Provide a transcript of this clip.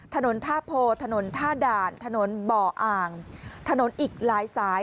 ถนนท่าโพถนนท่าด่านถนนบ่ออ่างถนนอีกหลายสาย